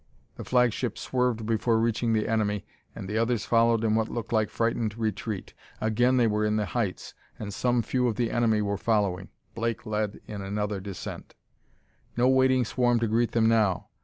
The flagship swerved before reaching the enemy, and the others followed in what looked like frightened retreat. Again they were in the heights, and some few of the enemy were following. Blake led in another descent. No waiting swarm to greet them now!